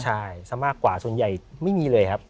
ใช่สำหรับกว่าส่วนใหญ่ไม่มีเลยครับ